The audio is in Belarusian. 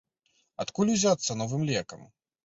Адкуль узяцца новым лекам?